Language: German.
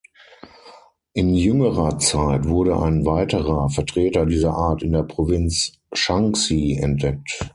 In jüngerer Zeit wurde ein weiterer Vertreter dieser Art in der Provinz Shaanxi entdeckt.